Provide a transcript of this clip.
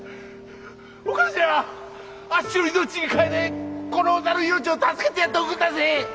お頭あっしの命に代えてこの女の命を助けてやっておくんなせえ！